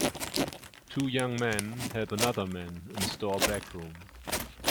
Two young men help another man in a store back room